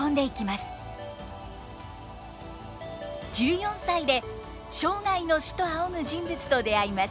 １４歳で生涯の師と仰ぐ人物と出会います。